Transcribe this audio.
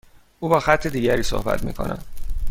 او با خط دیگری صحبت میکند.